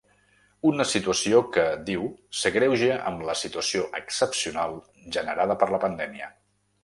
Una situació que, diu, s’agreuja amb la situació excepcional generada per la pandèmia.